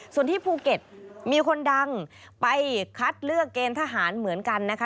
ส่วนที่ภูเก็ตมีคนดังไปคัดเลือกเกณฑ์ทหารเหมือนกันนะคะ